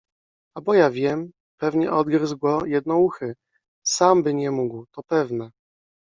- A bo ja wiem. Pewnie odgryzł go Jednouchy. Sam by nie mógł, to pewne.